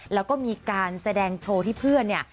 แล้วก็มีการแสดงโชว์ที่เพื่อนเนี่ย